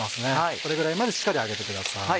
これぐらいまでしっかり揚げてください。